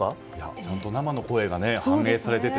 本当に生の声が反映されていて。